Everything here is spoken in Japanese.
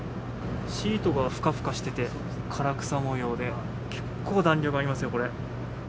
シートがふかふかしてて、唐草模様で結構弾力がありますよ、これ。